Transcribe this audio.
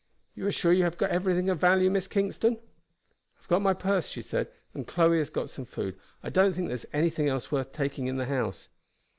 You are sure you have got everything of value, Miss Kingston?" "I have got my purse," she said, "and Chloe has got some food. I don't think there is anything else worth taking in the house."